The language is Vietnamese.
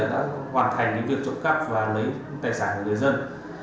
đã hoàn thành việc trộm cắp và lấy tài sản của người dân